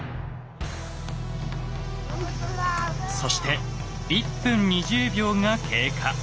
そして１分２０秒が経過。